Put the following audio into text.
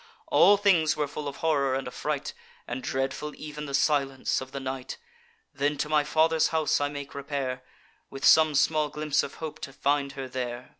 All things were full of horror and affright, And dreadful ev'n the silence of the night. Then to my father's house I make repair, With some small glimpse of hope to find her there.